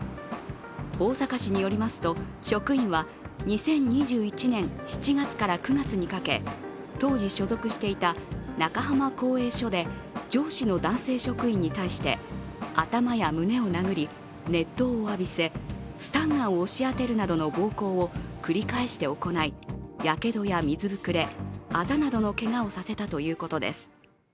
大阪市によりますと、職員は２０２１年７月から９月にかけ、当時所属していた中浜工営所で上司の男性職員に対して頭や胸を殴り熱湯を浴びせ、スタンガンを押し当てるなどの暴行を繰り返して行いやけどや水ぶくれ、あざなどのけがをさせたということです。